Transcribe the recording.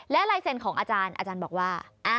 และลายเซ็นต์ของอาจารย์อาจารย์บอกว่า